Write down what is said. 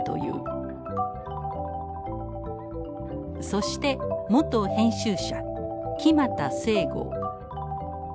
そして元編集者木俣正剛。